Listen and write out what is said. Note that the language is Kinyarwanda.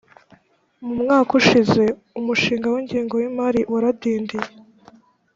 mu mwaka ushize umushinga w’ingengo y’imari waradindiye